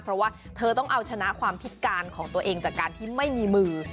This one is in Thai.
เพราะว่าเธอต้องเอาชนะความพิการของตัวเองจากการที่ไม่มีมือ